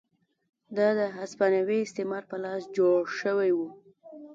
دا د هسپانوي استعمار په لاس جوړ شوي وو.